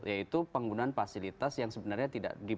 yaitu penggunaan fasilitas yang sebenarnya tidak diperlukan